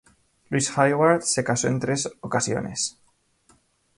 Louis Hayward se casó en tres ocasiones.